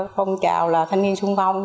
phong trào là thanh niên xung phong